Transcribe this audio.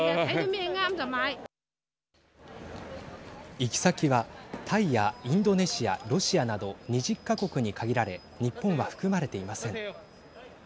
行き先はタイやインドネシアロシアなど２０か国に限られ日本は含まれていません。